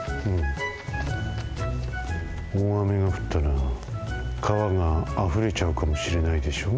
おおあめがふったらかわがあふれちゃうかもしれないでしょ。